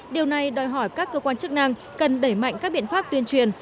điều này đòi hỏi các cơ quan chức năng cần đẩy mạnh các biện pháp tuyên truyền